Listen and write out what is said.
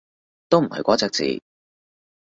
都唔係嗰隻字